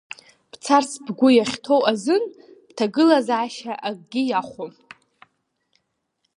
Бцарц бгәы иахьҭоу азын, бҭагылазаашьа акгьы иахәом!